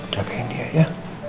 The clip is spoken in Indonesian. jagain dia ya